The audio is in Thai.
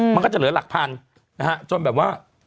มันก็จะเหลือหลักพันนะฮะจนแบบว่า